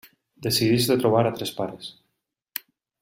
Decideix de trobar altres pares…